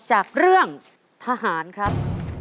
จากเรื่องทหารครับ